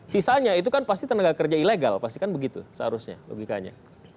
sisanya itu kan pasti tenaga kerja ilegal pasti kan begitu seharusnya logikanya